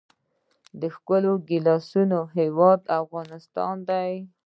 د ښکلو ګیلاسونو هیواد افغانستان.